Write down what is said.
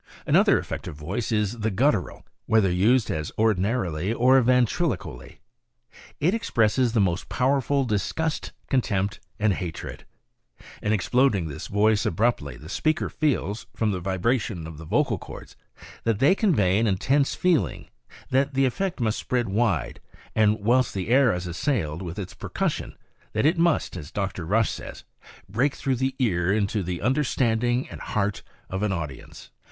Another effective voice is the guttural, whether used as ordina rily or ventriloquially. It expresses the most powerful disgust, contempt and hatred. In exploding this voice abruptly the speaker feels, from the vibration of the vocal cords, that they con vey an intense feeling, that the effect must spread wide, and whilst the air i3 assailed with its percussion, that it must, as Dr. Rush says, " break through the ear into the understanding and heart of an audience."